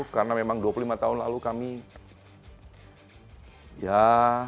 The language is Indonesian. karena memang dua puluh lima tahun lalu kami yaa